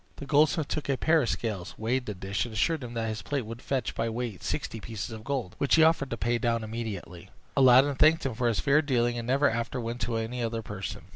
The goldsmith took a pair of scales, weighed the dish, and assured him that his plate would fetch by weight sixty pieces of gold, which he offered to pay down immediately. Aladdin thanked him for his fair dealing, and never after went to any other person.